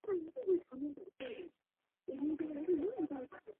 邮购各式各样的高级家具仍无法满足其日渐枯竭的心灵而导致失眠。